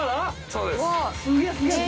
そうです。